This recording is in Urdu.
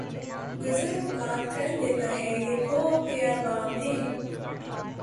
گزر اوقات کر لیتا ہے یہ کوہ و بیاباں میں